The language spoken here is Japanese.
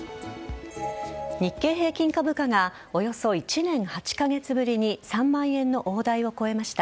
日経平均株価がおよそ１年８カ月ぶりに３万円の大台を超えました。